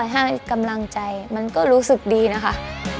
ถ้าให้กำลังใจมันก็รู้สึกดีนะคะ